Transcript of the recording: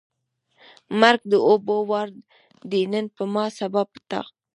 مرګ د اوبو وار دی نن په ما ، سبا په تا.